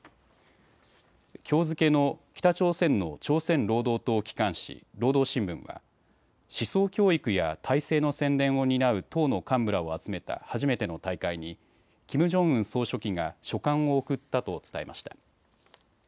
きょう付けの北朝鮮の朝鮮労働党機関紙、労働新聞は思想教育や体制の宣伝を担う党の幹部らを集めた初めての大会にキム・ジョンウン総書記が書簡を送ったと伝えました。